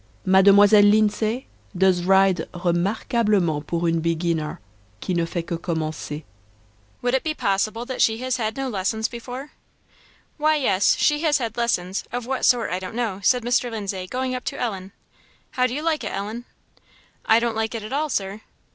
Mademoiselle Lindesay does ride remarquablement pour une beginner qui ne fait que commencer. Would it be possible that she has had no lessons before?" "Why, yes, she has had lessons of what sort I don't know," said Mr. Lindsay, going up to Ellen. "How do you like it, Ellen?" "I don't like it at all, Sir."